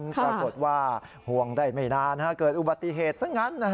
ปรากฏว่าห่วงได้ไม่นานเกิดอุบัติเหตุซะงั้น